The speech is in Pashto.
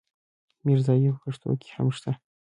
ميرزايي په پښتو کې هم شته.